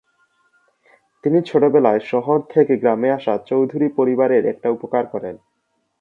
তিনি ছোটবেলায় শহর থেকে গ্রামে আসা চৌধুরী পরিবারের একটা উপকার করেন।